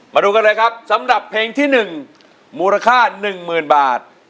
มาดูกันเลยครับสำหรับเพลงที่๑มูลค่า๑๐๐๐บาท